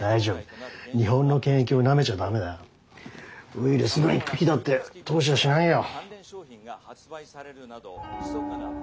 ウイルスの一匹だって通しやしないよ。